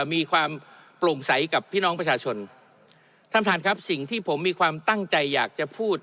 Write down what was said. มีความโปร่งใสกับพี่น้องประชาชนท่านท่านครับสิ่งที่ผมมีความตั้งใจอยากจะพูด